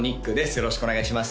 よろしくお願いします